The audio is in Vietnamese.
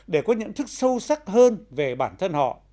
để có nhận thức sâu sắc hơn về bản thân họ